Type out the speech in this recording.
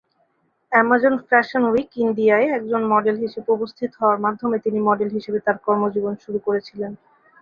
Amazon fashion week ইন্ডিয়ায় একজন model হিসেবে উপস্থিত হওয়ার মাধ্যমে তিনি মডেল হিসেবে তার কর্মজীবন শুরু করেছিলেন।